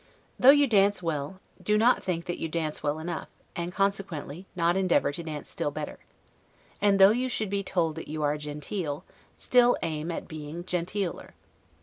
Though you dance well, do not think that you dance well enough, and consequently not endeavor to dance still better. And though you should be told that you are genteel, still aim at being genteeler.